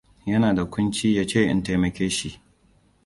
Ya na da kunci ya ce in taimake shi.